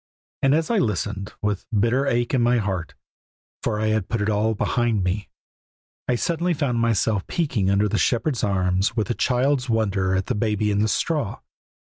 And as I listened, with a bitter ache in my heart for I had put it all behind me I suddenly found myself peeking under the shepherds' arms with a child's wonder at the Baby in the straw.